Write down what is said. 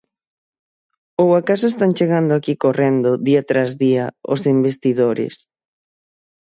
¿Ou acaso están chegando aquí correndo, día tras día, os investidores?